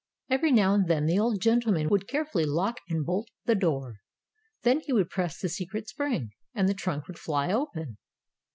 Every now and then the old gentleman would carefully lock and bolt the door. Then he would press the secret spring, and the trunk would fly open.